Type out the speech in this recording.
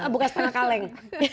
bukan setengah kaleng